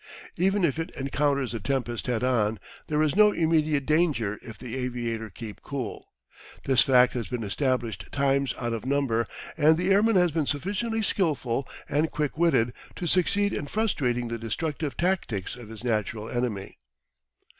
Even if it encounters the tempest head on there is no immediate danger if the aviator keep cool. This fact has been established times out of number and the airman has been sufficiently skilful and quick witted to succeed in frustrating the destructive tactics of his natural enemy.